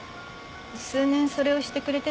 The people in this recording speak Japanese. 数年それをしてくれてたんですが